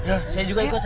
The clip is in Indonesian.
ya saya juga ikut